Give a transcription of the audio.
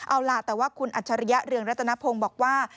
เอาล่ะแต่ว่าคุณอัจฉริยะเรืองรัตนพงศ์บอกว่า